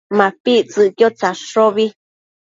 MapictsËquid tsadshobi